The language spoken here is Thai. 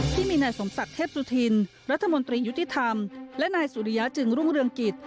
ที่มีนายสมศักดิ์เทพสุธินรัฐมนตรียุติธรรมและนายสุริยะจึงรุ่งเรืองกิจ